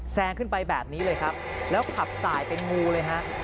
ขึ้นไปแบบนี้เลยครับแล้วขับสายเป็นงูเลยฮะ